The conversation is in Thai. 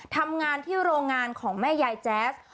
ทำงานที่โรงงานของแม่ยายแจ๊ส